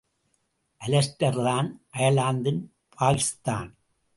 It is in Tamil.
அல்ஸ்டர்தான் அயர்லாந்தின் பாகிஸ்தான்.